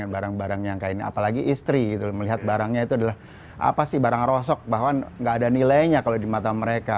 barangnya itu adalah apa sih barang rosok bahwa nggak ada nilainya kalau di mata mereka